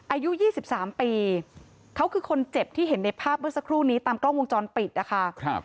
อายุ๒๓ปีเขาคือคนเจ็บที่เห็นในภาพเมื่อสักครู่นี้ตามกล้องวงจรปิดนะคะ